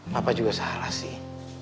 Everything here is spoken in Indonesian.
papa juga salah sih